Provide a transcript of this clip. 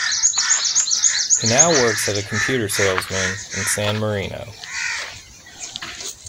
He now works as a computer salesman in San Marino.